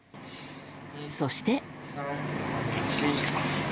そして。